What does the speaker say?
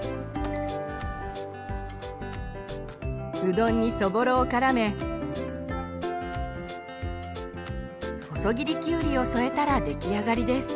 うどんにそぼろをからめ細切りきゅうりを添えたら出来上がりです。